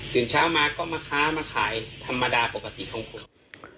จนเช้ามาที่ก็มาค้ามาขายปกติของผม